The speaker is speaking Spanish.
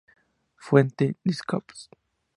Fuente: Discogs